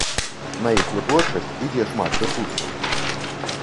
На іх вытворчасць ідзе шмат рэсурсаў.